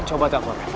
coba tahan reva